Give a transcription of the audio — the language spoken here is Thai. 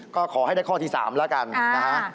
ก็ขอให้ได้ข้อที่๓แล้วกันนะฮะ